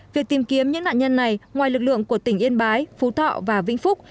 việc tìm kiếm những nạn nhân này ngoài lực lượng của tỉnh yên bái phú thọ và vĩnh phúc